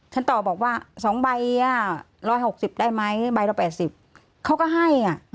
ตอบบอกว่า๒ใบ๑๖๐ได้ไหมใบละ๘๐เขาก็ให้